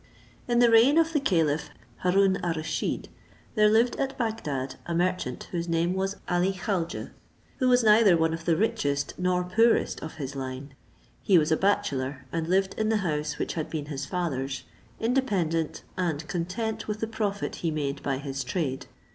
In the reign of the caliph Haroon al Rusheed, there lived at Bagdad a merchant whose name was Ali Khaujeh, who was neither one of the richest nor poorest of his line. He was a bachelor, and lived in the house which had been his father's, independent and content with the profit he made by his trade.